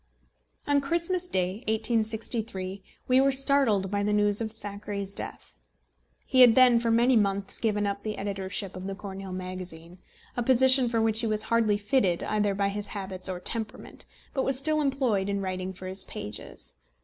On Christmas day, 1863, we were startled by the news of Thackeray's death. He had then for many months given up the editorship of the Cornhill Magazine, a position for which he was hardly fitted either by his habits or temperament, but was still employed in writing for its pages.